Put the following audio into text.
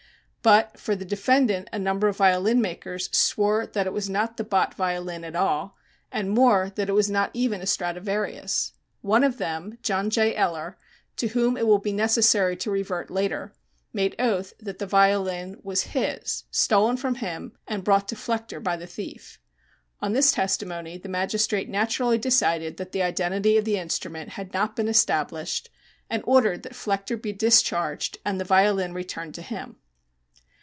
But for the defendant a number of violin makers swore that it was not the Bott violin at all, and more that it was not even a Stradivarius. One of them, John J. Eller, to whom it will be necessary to revert later, made oath that the violin was his, stolen from him and brought to Flechter by the thief. On this testimony the magistrate naturally decided that the identity of the instrument had not been established and ordered that Flechter be discharged and the violin returned to him.